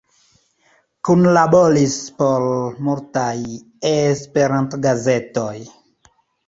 Kunlaboris por multaj E-gazetoj.